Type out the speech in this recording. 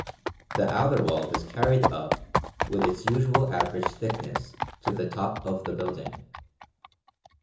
The outer wall is carried up with its usual average thickness to the top of the building.